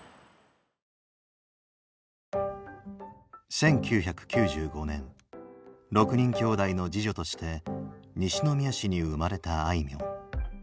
１９９５年６人きょうだいの次女として西宮市に生まれたあいみょん。